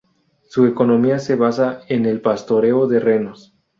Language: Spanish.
Su economía se basa en el pastoreo de renos.